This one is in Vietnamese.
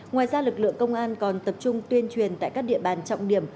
ngoài ra lực lượng công an còn tập trung tuyên truyền tại các địa bàn trọng điểm